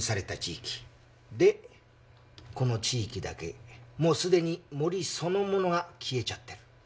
でこの地域だけもうすでに森そのものが消えちゃってる。